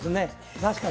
確かに。